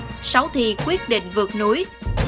xem xét buộc hồi sáu thi quyết định vượt núi